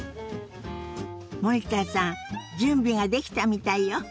森田さん準備ができたみたいよ。